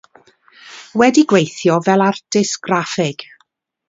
Wedi gweithio fel artist graffig.